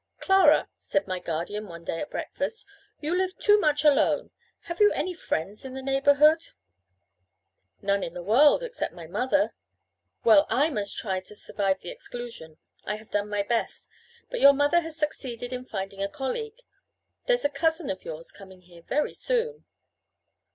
"Clara," said my guardian one day at breakfast, "you live too much alone. Have you any friends in the neighbourhood?" "None in the world, except my mother." "Well, I must try to survive the exclusion. I have done my best. But your mother has succeeded in finding a colleague. There's a cousin of yours coming here very soon."